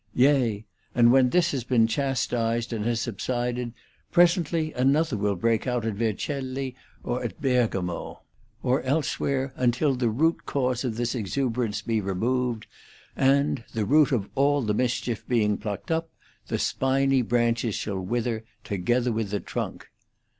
Yea, and when this has been chastised and has subsided, presently another will break out at Vercelli, or at Bergamo, or elsewhere, until the 104 LETTERS OF DANTE root cause of this exuberance be removed, and, the root of all the mischief being plucked up, the spiny branches shall wither together with the trunk.